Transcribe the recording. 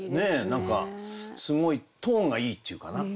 何かすごいトーンがいいっていうかな。